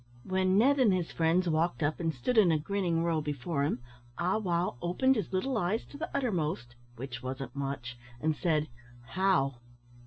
When Ned and his friends walked up and stood in a grinning row before him, Ah wow opened his little eyes to the uttermost, (which wasn't much), and said, "How!"